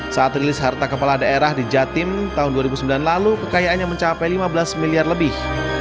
saat rilis harta kepala daerah di jatim tahun dua ribu sembilan lalu kekayaannya mencapai lima belas miliar lebih